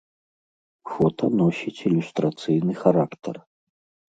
Фота носіць ілюстрацыйны характар.